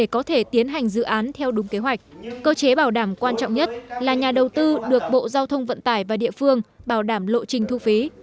cơ chế bảo đảm quan trọng nhất là nhà đầu tư được bộ giao thông vận tải và địa phương bảo đảm lộ trình thu phí